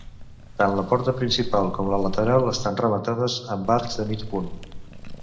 Tant la porta principal com la lateral estan rematades amb arcs de mig punt.